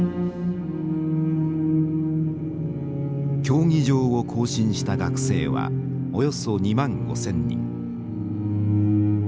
競技場を行進した学生はおよそ２万５，０００人。